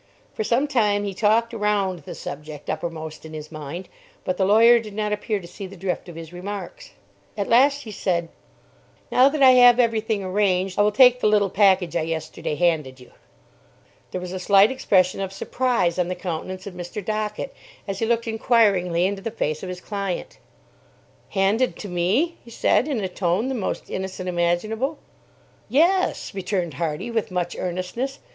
For some time he talked around the subject uppermost in his mind, but the lawyer did not appear to see the drift of his remarks. At last, he said "Now that I have every thing arranged, I will take the little package I yesterday handed you." There was a slight expression of surprise on the countenance of Mr. Dockett, as he looked inquiringly into the face of his client. "Handed to me?" he said, in a tone the most innocent imaginable. "Yes," returned Hardy, with much earnestness.